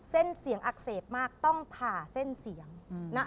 เส้นเสียงอักเสบมากต้องผ่าเส้นเสียง